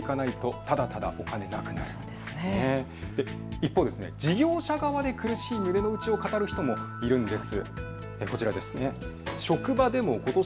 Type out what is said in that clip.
一方、事業者側で苦しい胸の内を語る人もいます。